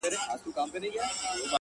څه دي راوکړل د قرآن او د ګیتا لوري.